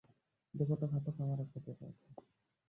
দেবতা ঘাতক আমাদের খুঁজে পেয়েছে।